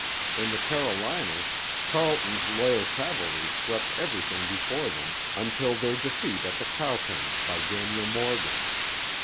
In the Carolinas Tarleton's Loyal Cavalry swept everything before them, until their defeat at the Cowpens by Daniel Morgan.